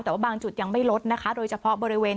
แต่บางจุดไม่ลดโดยเฉพาะบริเวณ